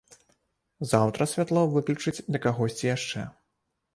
Заўтра святло выключаць для кагосьці яшчэ.